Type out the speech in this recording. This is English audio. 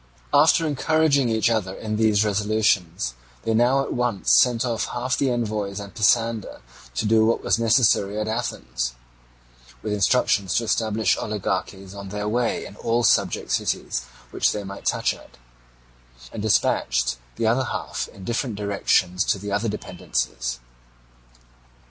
After encouraging each other in these resolutions, they now at once sent off half the envoys and Pisander to do what was necessary at Athens (with instructions to establish oligarchies on their way in all the subject cities which they might touch at), and dispatched the other half in different directions to the other dependencies.